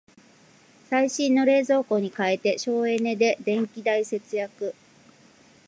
最新の冷蔵庫に替えて省エネで電気代節約